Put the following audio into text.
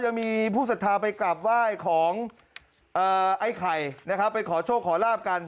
ยังมีผู้สัทธาไปกลับไหว้ของไอ้ไข่นะครับไปขอโชคขอลาบกัน